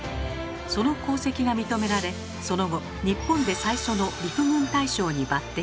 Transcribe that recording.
その功績が認められその後日本で最初の陸軍大将に抜擢。